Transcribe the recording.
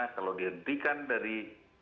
kalau dihentikan dari